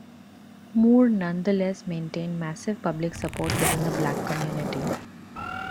Moore nonetheless maintained massive public support within the black community.